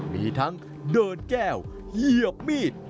มีทั้งเดินแก้วเหยียบมีด